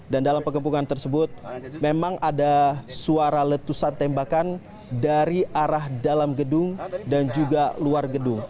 dan dalam pengepungan tersebut memang ada suara letusan tembakan dari arah dalam gedung dan juga luar gedung